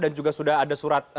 dan juga sudah ada surat